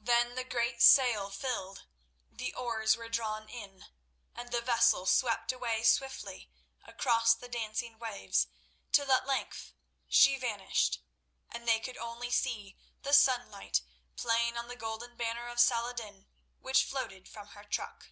Then the great sail filled, the oars were drawn in, and the vessel swept away swiftly across the dancing waves, till at length she vanished, and they could only see the sunlight playing on the golden banner of Saladin which floated from her truck.